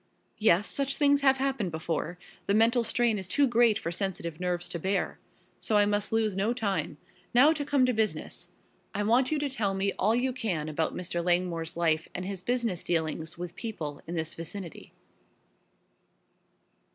"Yes, such things have happened before the mental strain is too great for sensitive nerves to bear. So I must lose no time. Now to come to business. I want you to tell me all you can about Mr. Langmore's life and his business dealings with people in this vicinity."